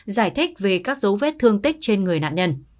giải thích về các dấu vết thương tích trên người nạn nhân